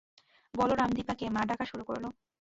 বলরাম দিপাকে মা ডাকা শুরু করল।